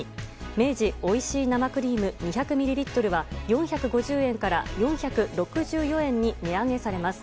明治おいしい生クリーム２００ｍｌは４５０円から４６４円に値上げされます。